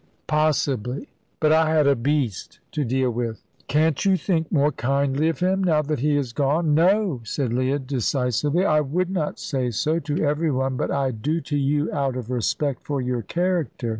"Possibly; but I had a beast to deal with." "Can't you think more kindly of him, now that he is gone?" "No," said Leah, decisively. "I would not say so to every one, but I do to you, out of respect for your character."